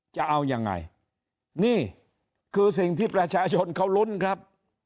จะเอายังไงนี่คือสิ่งที่ประชาชนเขาลุ้นครับ